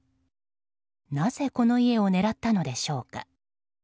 なぜ、この家を狙ったのでしょうか。